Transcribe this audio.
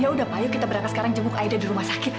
ya udah pak yuk kita berangkat sekarang jemuk aida di rumah sakit